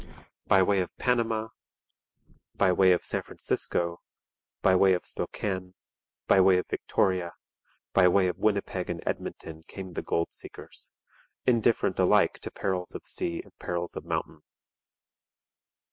By way of Panama, by way of San Francisco, by way of Spokane, by way of Victoria, by way of Winnipeg and Edmonton came the gold seekers, indifferent alike to perils of sea and perils of mountain.